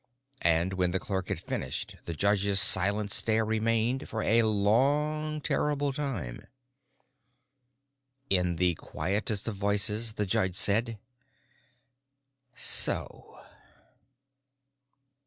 And when the clerk had finished, the judge's silent stare remained, for a long, terrible time. In the quietest of voices, the judge said, "So."